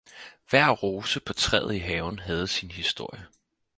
Hver rose på træet i haven havde sin historie.